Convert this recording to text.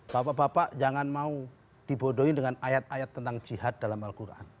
bapak bapak jangan mau dibodohin dengan ayat ayat tentang jihad dalam al quran